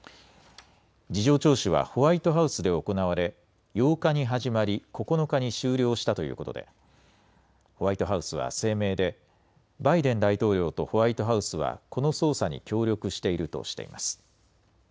事情聴取はホワイトハウスで行われ８日に始まり９日に終了したということでホワイトハウスは声明でバイデン大統領とホワイトハウスはこの捜査に協力しているとしています。